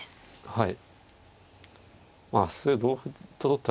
はい。